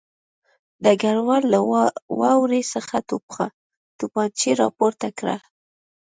ډګروال له واورې څخه توپانچه راپورته کړه